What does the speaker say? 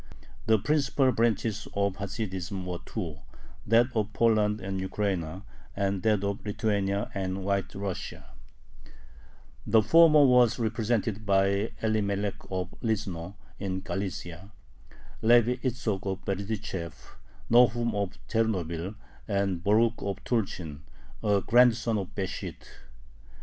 The principal branches of Hasidism were two: that of Poland and Ukraina, and that of Lithuania and White Russia. The former was represented by Elimelech of Lizno, in Galicia, Levi Itzhok of Berdychev, Nohum of Chernobyl, and Borukh of Tulchyn, a grandson of Besht.